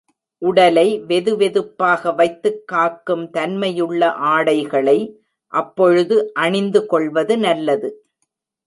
உடலை வெதுவெதுப்பாக வைத்துக் காக்கும் தன்மையுள்ள ஆடைகளை அப்பொழுது அணிந்து கொள்வது நல்லது.